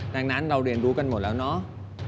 ดังนั้นเราเรียนรู้กันหมดแล้วเนาะ